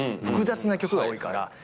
複雑な曲が多いから。